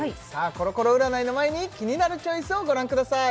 コロコロ占いの前にキニナルチョイスをご覧ください